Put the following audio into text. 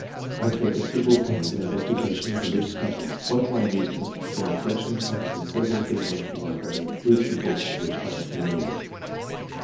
... I take con siderable pains in the investigation of reli gious matters, one of my amusements being the collec tion of a considerable theological library, with the books of which I am familiar."